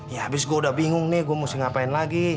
ya abis gue udah bingung nih gue mesti ngapain lagi